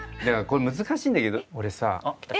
だからこれ難しいんだけど俺さ。